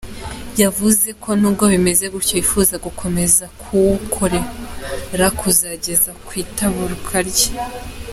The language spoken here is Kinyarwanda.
Yavuze ko nubwo bimeze gutyo yifuza gukomeza kuwukora kuzageza ku itabaruka rye.